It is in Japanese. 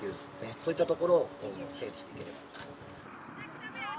そういったところを整理していければ。